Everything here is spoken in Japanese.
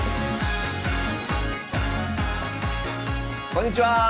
こんにちは！